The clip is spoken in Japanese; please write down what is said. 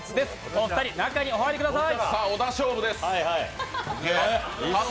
お二人、中にお入りください。